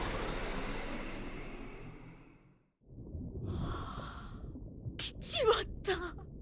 ああ来ちまった。